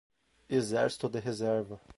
exército de reserva